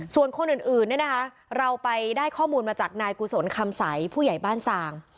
ส่วนคนอื่นเนี่ยนะคะเราไปได้ข้อมูลมาจากนายกุศลคำใสผู้ใหญ่บ้านสาง